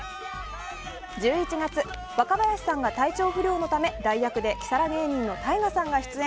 １１月、若林さんが体調不良のため代役でキサラ芸人のＴＡＩＧＡさんが出演。